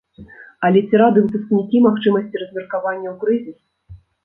Але ці рады выпускнікі магчымасці размеркавання ў крызіс.